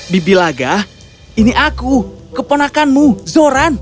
bibi laga ini aku keponakanmu zoran